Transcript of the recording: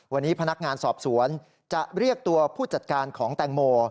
วันนี้พนักงานสอบสวนจะเรียกตัวผู้จัดการของแตงโม